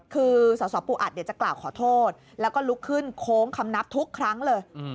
คือสสปูอัดจะกล่าวขอโทษแล้วก็ลุกขึ้นโค้งคำนับทุกครั้งเลย